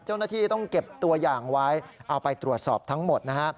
เจ้าหน้าที่ต้องเก็บตัวอย่างไว้เอาไปตรวจสอบทั้งหมดนะฮะ